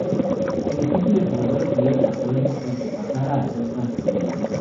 El equipo y el jugador estuvieron de acuerdo en que pasara a ser transferible.